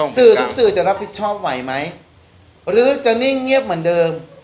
สื่อทุกสื่อจะรับผิดชอบไหวไหมหรือจะนิ่งเงียบเหมือนเดิม